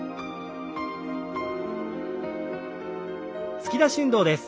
突き出し運動です。